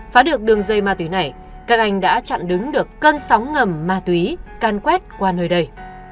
phá được đường dây ma túy này các anh đã chặn đứng được cơn sóng ngầm ma túy can quét qua nơi đây